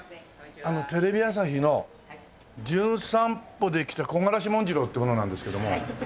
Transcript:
テレビ朝日の『じゅん散歩』で来た木枯し紋次郎っていう者なんですけども。